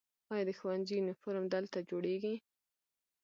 آیا د ښوونځي یونیفورم دلته جوړیږي؟